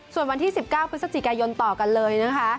ส่วนวันที่๑๙พฤศจิกายนต่อกันเลยนะคะ